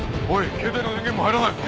携帯の電源も入らないぞ。